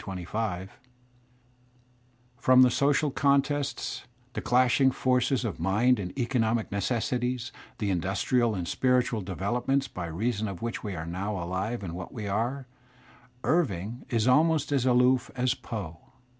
Prom the ' social contests, the clashing forces of mind and of economic necessities, the industrial and spiritual developments by reason of which we are now aUve and what we are, Irving is almost as aloof as Poe.